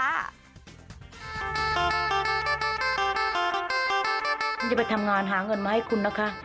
คุณจะไปทำงานหาเงินมาให้คุณนะคะ